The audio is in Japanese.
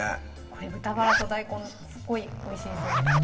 これ豚バラと大根すごいおいしいですよね